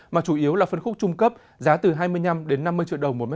mà chủ yếu là phân khúc trung cấp giá từ hai mươi năm đến năm mươi triệu đồng một m hai